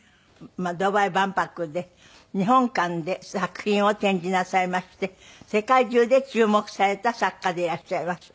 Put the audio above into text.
ドバイ万博で日本館で作品を展示なさいまして世界中で注目された作家でいらっしゃいます。